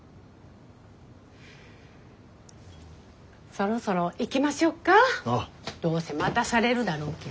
そろそろ行きましょうかどうせ待たされるだろうけど。